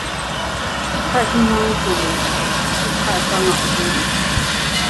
太清观主祀太上老君。